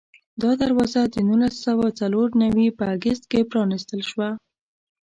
دا دروازه د نولس سوه څلور نوي په اګست کې پرانستل شوه.